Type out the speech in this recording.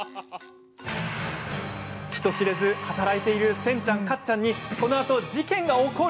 人知れず働いているセンちゃん、カッちゃんにこのあと事件が起こる？